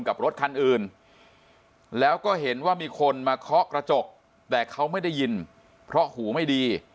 กับรถคันอื่นแล้วก็เห็นว่ามีคนมาเคาะกระจกแต่เขาไม่ได้ยินเพราะหูไม่ดี